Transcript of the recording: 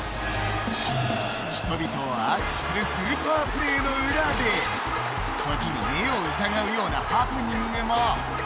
人々を熱くするスーパープレーの裏で時に目を疑うようなハプニングも。